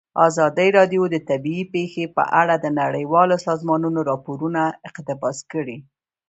ازادي راډیو د طبیعي پېښې په اړه د نړیوالو سازمانونو راپورونه اقتباس کړي.